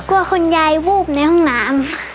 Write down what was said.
คุณยายวูบในห้องน้ำ